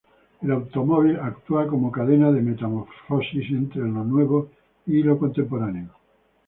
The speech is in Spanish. El automóvil actúa como cadena de metamorfosis entre lo nuevo y contemporáneo.